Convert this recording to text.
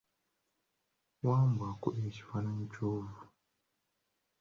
Wambwa akubye ekifananyi kya ovolo.